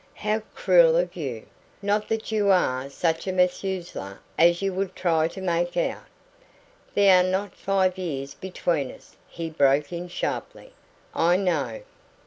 "How cruel of you! Not that you are such a Methuselah as you would try to make out " "There are not five years between us," he broke in sharply. "I know."